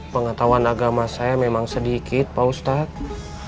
pengetahuan agama saya memang sedikit pak ustadz